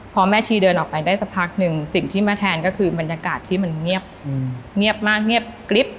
พอแม่ชีเดินออกไปได้สักพักหนึ่งสิ่งที่แม่แทนก็คือบรรยากาศที่มันเงียบมากเงียบกริ๊บ